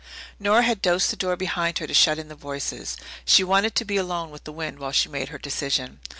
Nora had dosed the door behind her to shut in the voices. She wanted to be alone with the wind while she made her decision.